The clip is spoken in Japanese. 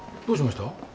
どうしました？